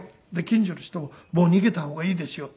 近所の人も「もう逃げた方がいいですよ」。